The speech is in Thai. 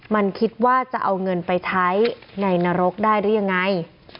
มันคิดว่าจะเอาเงินไปใช้ในนรกได้หรือยังไง